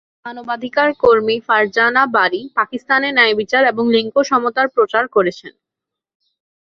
মানবাধিকার কর্মী ফারজানা বারি পাকিস্তানে ন্যায়বিচার এবং লিঙ্গ সমতার প্রচার করেছেন।